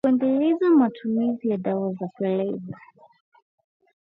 kuendeleza matumizi ya dawa za kulevya